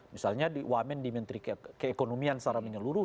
misalnya di wamen di menteri keekonomian secara menyeluruh